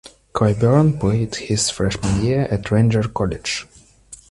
Clyburn played his freshman year at Ranger College.